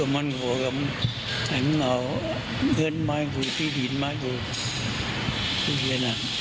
ไม่โชคเลยลูกคุณเนี่ย